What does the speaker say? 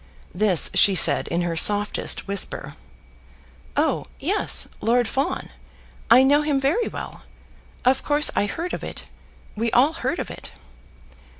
This she said in her softest whisper. "Oh, yes; Lord Fawn. I know him very well. Of course I heard of it. We all heard of it."